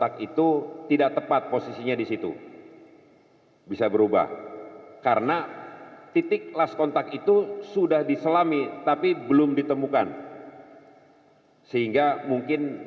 kan bebannya lebih ringan